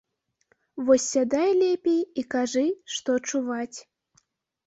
Вось сядай лепей і кажы, што чуваць.